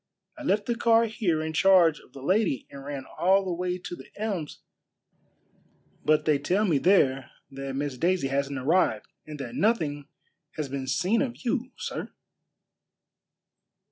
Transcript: I left the car here in charge of the lady and ran all the way to The Elms; but they tell me there that Miss Daisy hasn't arrived and that nothing has been seen of you, sir."